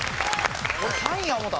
俺３位や思った。